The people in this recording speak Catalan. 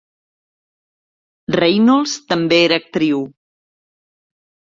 Reynolds també era actriu.